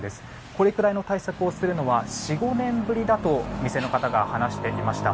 これくらいの対策をするのは４５年ぶりだと店の方が話していました。